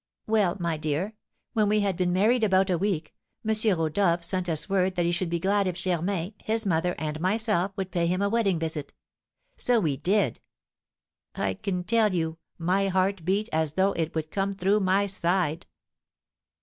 "Well, my dear, when we had been married about a week, M. Rodolph sent us word that he should be glad if Germain, his mother, and myself would pay him a wedding visit; so we did. I can tell you my heart beat as though it would come through my side!